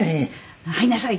「入りなさい！」